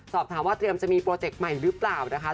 สอบถามว่าเตรียมจะมีโปรเจกต์ใหม่หรือเปล่านะคะ